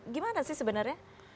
gimana sih sebenarnya